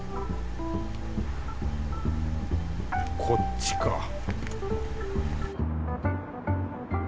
こっちか